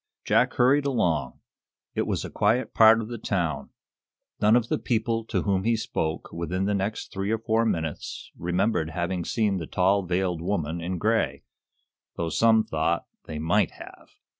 Jack hurried along. It was a quiet part of the town. None of the people to whom he spoke within the next three or four minutes remembered having seen the tall, veiled woman in gray, though some "thought" they "might have."